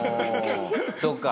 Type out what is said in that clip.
そっか。